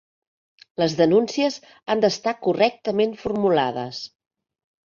Les denúncies han d'estar correctament formulades.